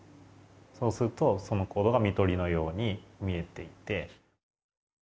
そうするとその行動が看取りのように見えていって。